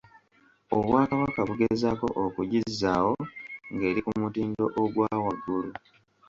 Obwakabaka bugezaako okugizzaawo ng'eri ku mutindo ogwa waggulu.